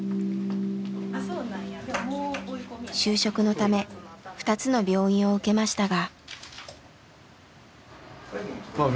就職のため２つの病院を受けましたが。